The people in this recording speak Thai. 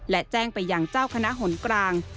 และแจ้งไปอย่างเจ้าคณะหนกลาง